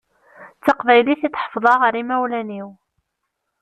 D taqbaylit i d-ḥefḍeɣ ar imawlan-iw.